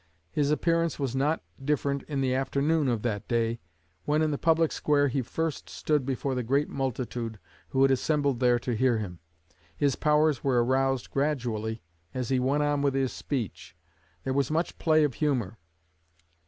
His appearance was not different in the afternoon of that day, when, in the public square, he first stood before the great multitude who had assembled there to hear him. His powers were aroused gradually as he went on with his speech. There was much play of humor.